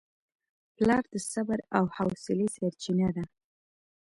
پلار د صبر او حوصلې سرچینه ده.